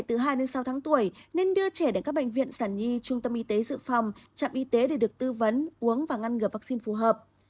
trẻ em có trẻ từ hai sáu tháng tuổi nên đưa trẻ đến các bệnh viện sản nhi trung tâm y tế dự phòng trạm y tế để được tư vấn uống và ngăn ngừa vaccine phù hợp